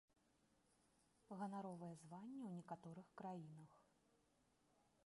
Ганаровае званне ў некаторых краінах.